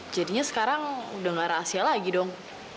jadinya sekarang udah gak rahasia lagi dong